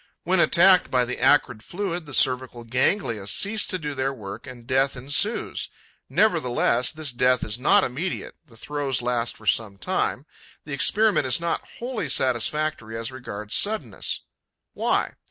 When attacked by the acrid fluid, the cervical ganglia cease to do their work; and death ensues. Nevertheless, this death is not immediate; the throes last for some time. The experiment is not wholly satisfactory as regards suddenness. Why?